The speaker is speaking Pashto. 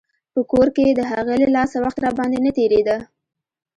په کور کښې د هغې له لاسه وخت راباندې نه تېرېده.